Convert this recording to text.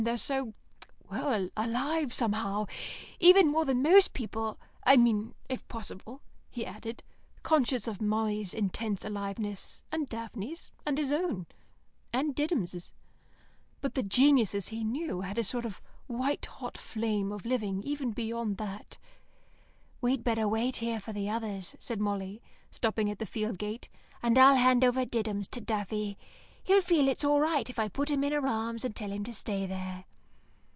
They're so well, alive, somehow. Even more than most people, I mean; if possible," he added, conscious of Molly's intense aliveness, and Daphne's, and his own, and Diddums'. But the geniuses, he knew, had a sort of white hot flame of living beyond even that.... "We'd better wait here for the others," said Molly, stopping at the field gate, "and I'll hand over Diddums to Daffy. He'll feel it's all right if I put him in her arms and tell him to stay there."